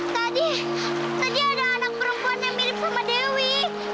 tadi tadi ada anak perempuan yang mirip sama dewi